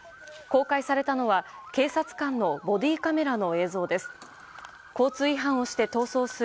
公開されたのは、警察官のボディーカメラの映像です。